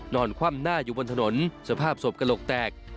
คว่ำหน้าอยู่บนถนนสภาพศพกระโหลกแตก